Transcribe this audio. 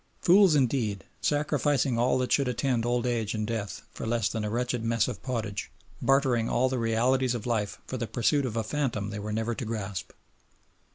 Fools indeed, sacrificing all that should attend old age and death for less than a wretched mess of pottage, bartering all the realities of life for the pursuit of a phantom they were never to grasp.